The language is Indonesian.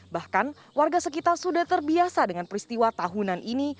bahkan warga sekitar sudah terbiasa dengan peristiwa tahunan ini